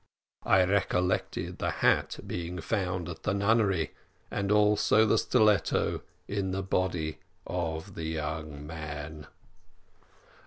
I recollected the hat being found at the nunnery, and also the stiletto in the body of the young man.